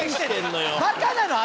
バカなの？